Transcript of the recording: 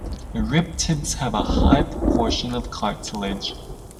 The rib tips have a high proportion of cartilage.